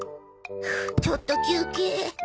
ちょっと休憩。